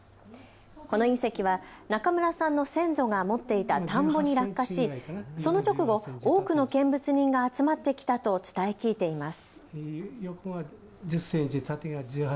この隕石は中村さんの先祖が持っていた田んぼに落下しその直後、多くの見物人が集まってきたと伝え聞いています。